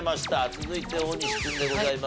続いて大西君でございますが。